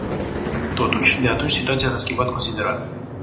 Totuși, de atunci situația s-a schimbat considerabil.